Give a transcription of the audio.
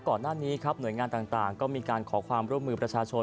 ก่อนหน้านี้ครับหน่วยงานต่างก็มีการขอความร่วมมือประชาชน